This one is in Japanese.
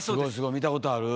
見たことある。